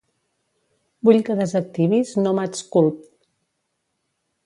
Vull que desactivis NomadSculpt.